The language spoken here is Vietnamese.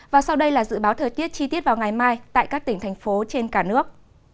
và sau đây là dự báo thời tiết chi tiết vào ngày mai tại các tỉnh thành phố trên cả nước